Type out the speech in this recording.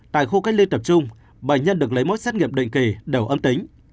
tại khu cách ly tập trung bệnh nhân được lấy mẫu xét nghiệm định kỳ đều âm tính